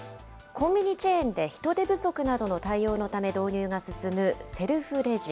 コンビニチェーンで、人手不足などの対応のため導入が進むセルフレジ。